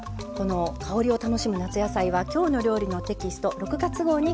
香りを楽しむ夏野菜は「きょうの料理」のテキスト６月号に掲載されています。